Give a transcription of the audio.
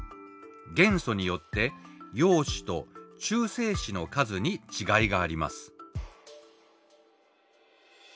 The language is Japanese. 元素によって陽子と中性子の数に違いがあります。